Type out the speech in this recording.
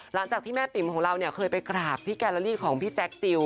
หลังจากที่แม่ติ๋มของเราเนี่ยเคยไปกราบพี่แกลอรี่ของพี่แจ็คจิล